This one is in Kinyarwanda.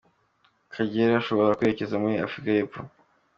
Kagere ashobora kwerekeza muri Afurika y’Epfo